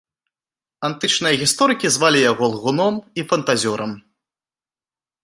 Антычныя гісторыкі звалі яго лгуном і фантазёрам.